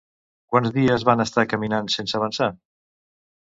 Quants dies van estar caminant sense avançar?